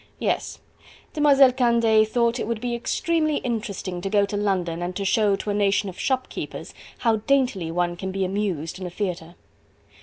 Yes! Demoiselle Candeille thought it would be extremely interesting to go to London and to show to a nation of shopkeepers how daintily one can be amused in a theatre.